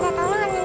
ke kolam main